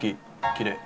きれい。